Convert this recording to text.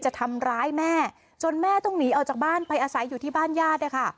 จะทำร้ายแม่จนแม่ต้องหนีออกจากบ้านไปอาศัยอยู่ที่บ้านญาตินะคะ